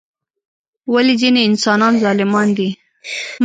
ولی ځینی انسانان ظالمان دي؟